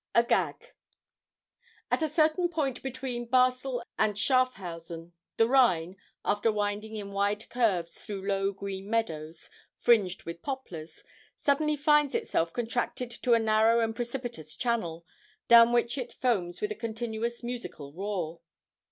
AGAG. At a certain point between Basle and Schaffhausen, the Rhine, after winding in wide curves through low green meadows fringed with poplars, suddenly finds itself contracted to a narrow and precipitous channel, down which it foams with a continuous musical roar.